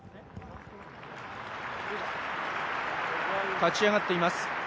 立ち上がっています。